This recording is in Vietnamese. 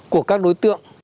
của các đối tượng